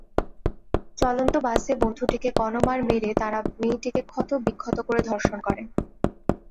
চলন্ত বাসে বন্ধুটিকে গণমার মেরে তাঁরা মেয়েটিকে ক্ষতবিক্ষত করে ধর্ষণ করেন।